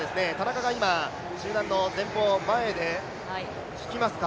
田中が今、集団の前で引きますか。